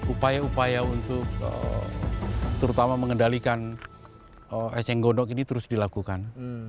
upaya upaya untuk terutama mengendalikan eceng gondok ini terus dilakukan